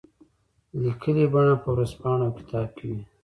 لیکلي بڼه په ورځپاڼه او کتاب کې وي.